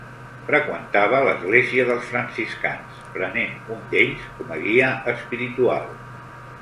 Freqüentava l'església dels franciscans, prenent un d'ells com a guia espiritual.